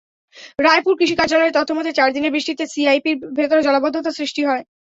রায়পুর কৃষি কার্যালয়ের তথ্যমতে, চার দিনের বৃষ্টিতে সিআইপির ভেতরে জলাবদ্ধতা সৃষ্টি হয়।